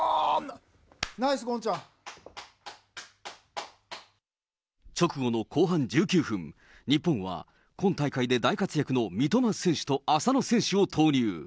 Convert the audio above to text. ナイス、直後の後半１９分、日本は今大会で大活躍の三笘選手と浅野選手を投入。